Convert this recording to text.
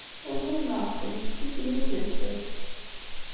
Uẓum neɣ qqim, d tikli-m i d lsas.